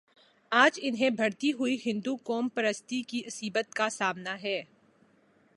آج انہیں بڑھتی ہوئی ہندوقوم پرستی کی عصبیت کا سامنا ہے۔